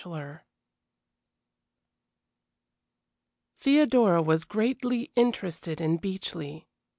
XXIV Theodora was greatly interested in Beechleigh.